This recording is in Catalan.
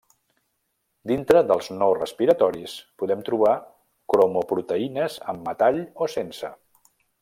Dintre dels no respiratoris podem trobar cromoproteïnes amb metall o sense.